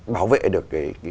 bảo vệ được cái